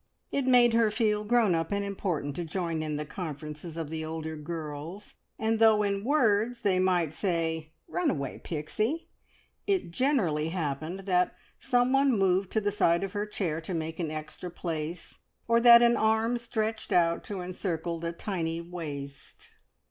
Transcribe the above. It made her feel grown up and important to join in the conferences of the older girls, and though in words they might say, "Run away, Pixie!" it generally happened that someone moved to the side of her chair to make an extra place, or that an arm stretched out to encircle the tiny waist.